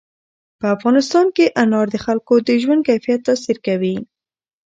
په افغانستان کې انار د خلکو د ژوند کیفیت تاثیر کوي.